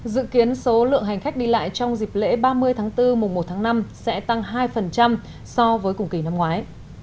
dự kiến số lượng hành khách đi lại trong dịp lễ ba mươi tháng bốn mùa một tháng năm sẽ tăng hai so với cùng kỳ năm ngoái